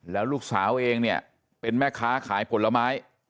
แล้วลูกสาวเองเนี่ยเป็นแม่ค้าขายผลไม้